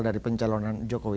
dari pencalonan jokowi